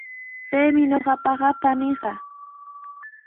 Paymi ñuqaqapa paniiqa.